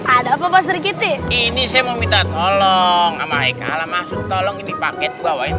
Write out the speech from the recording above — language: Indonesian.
ada apa apa sergiti ini saya mau minta tolong sama eka ala masuk tolong ini paket bawain